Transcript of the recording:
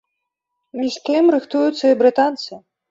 Між тым, рыхтуюцца і брытанцы.